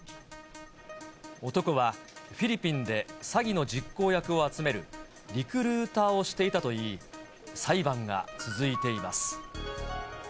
男はフィリピンで詐欺の実行役を集めるリクルーターをしていたといい、裁判が続いています。